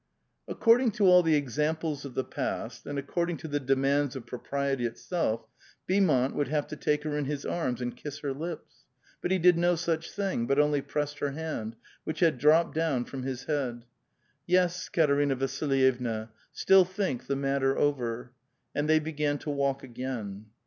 According to all the examples of the past, and according to the demands of propriety itself, Beaumont would have to take her in his arms and kiss her lips ; but he did no such thing, but onl3' pressed her hand, which had dropped down from his head. *' Yes, Katerina Vasilyevna, still think the matter over." And they began to walk again.